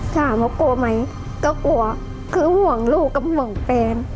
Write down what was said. ถามว่ากลัวไหมก็กลัวคือห่วงลูกกับห่วงแฟน